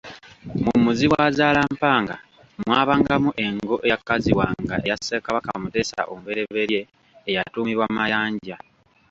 Mu Muzibwazalampanga mwabangamu engo eyakazibwanga eya Ssekabaka Muteesa omuberyeberye eyatumibwa Mayanja.